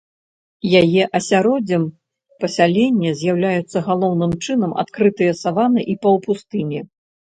Яе асяроддзем пасялення з'яўляюцца галоўным чынам адкрытыя саваны і паўпустыні.